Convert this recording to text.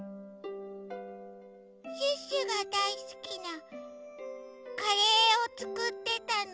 シュッシュがだいすきなカレーをつくってたの。